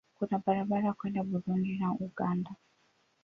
Kuna barabara kwenda Burundi na Uganda.